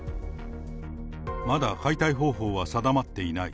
まだ解体方法は定まっていない。